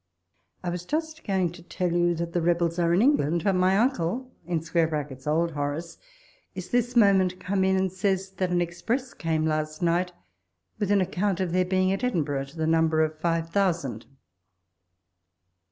I was just going to tell you that the rebels are in England ; but my uncle [old Horace] is this moment come in, and says, that an express came last night with an account of their being at Edinburgh to the number of five thousand.